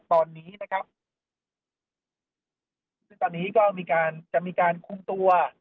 ตอนนี้จะมีการคุ้มตัว